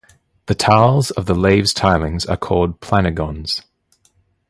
The tiles of the Laves tilings are called planigons.